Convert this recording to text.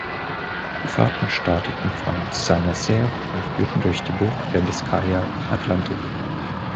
Die Fahrten starteten von Saint-Nazaire und führten durch die Bucht der Biskaya im Atlantik.